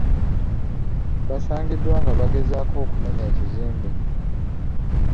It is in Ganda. Baasangiddwa nga bagezaako okumenya ekizimbe.